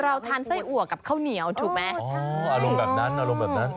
เราทานไส้อั๋วกับข้าวเหนียวถูกไหมอ๋ออารมณ์แบบนั้น